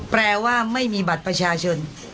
แปลว่าไม่มีบัตรประชาชน